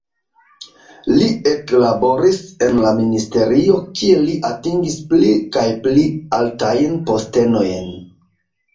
Li eklaboris en la ministerio, kie li atingis pli kaj pli altajn postenojn.